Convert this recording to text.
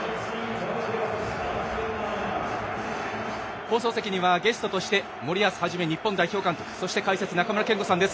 放送席にはゲストとして森保一日本代表監督そして解説、中村憲剛さんです。